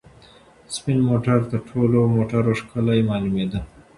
سپین موټر تر ټولو موټرو ښکلی معلومېده.